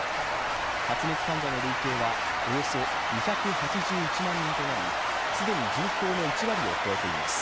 発熱患者の累計はおよそ２８１万人となり既に人口の１割を超えています。